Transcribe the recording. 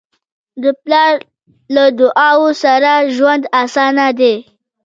د پلار له دعاؤ سره ژوند اسانه دی.